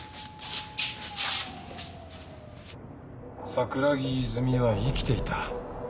・桜木泉は生きていた。